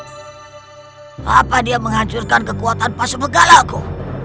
kenapa dia menghancurkan kekuatan bahasa benggala ku